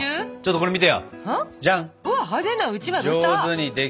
これ見て。